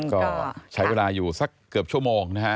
ก็ใช้เวลาอยู่สักเกือบชั่วโมงนะฮะ